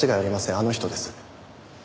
あの人です。